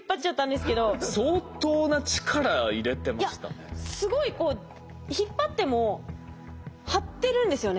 すごいこう引っ張っても張ってるんですよね。